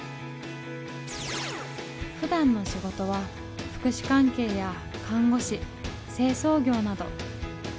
ふだんの仕事は福祉関係や看護師清掃業など。